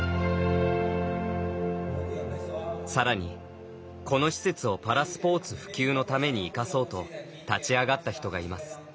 さらにこの施設をパラスポーツ普及のために生かそうと立ち上がった人がいます